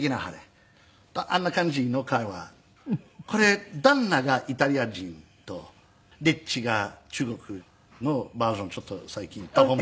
これ旦那がイタリア人と丁稚が中国人のバージョンちょっと最近。